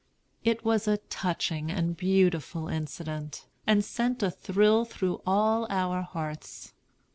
It was a touching and beautiful incident, and sent a thrill through all our hearts.